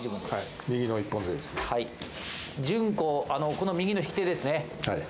この右の引き手ですね。